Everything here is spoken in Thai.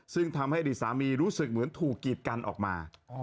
ซึ่งทำให้อดีตสามีรู้สึกเหมือนถูกกีดกันออกมา